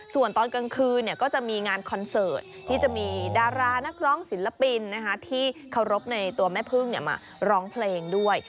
ส่วนตอนกลางคืนก็จะมีงานคอนเสิร์ตที่จะมีดารานักร้องศิลปินที่เคารพในตัวแม่พึ่งมาร้องเพลงด้วย